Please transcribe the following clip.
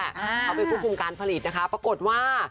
เขาไปควบคุมการผลิตนะคะปรากฏว่า